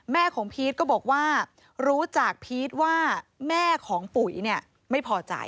แม่ของพีชก็บอกว่ารู้จากพีชว่าแม่ของปุ๋ยเนี่ยไม่พอใจ